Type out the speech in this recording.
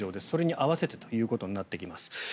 それに合わせてということになってきます。